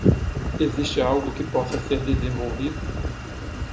Existe algo que possa ser desenvolvido?